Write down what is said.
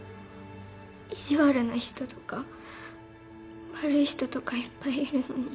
意地悪な人とか悪い人とかいっぱいいるのに。